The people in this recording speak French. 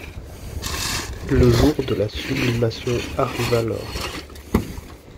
Le jour de la Sublimation arrive alors.